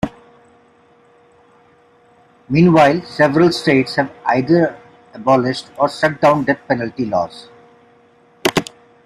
Meanwhile, several states have either abolished or struck down death penalty laws.